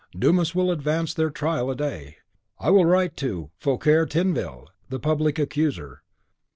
Dumas will advance their trial a day. I will write to Fouquier Tinville, the public accuser.